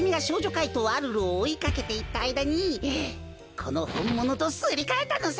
かいとうアルルをおいかけていったあいだにこのほんものとすりかえたのさ！